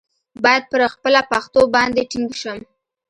باید پر خپله پښتو باندې ټینګ شم.